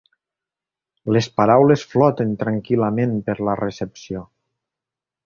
Les paraules floten tranquil.lament per la recepció.